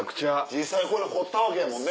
実際これ掘ったわけやもんね。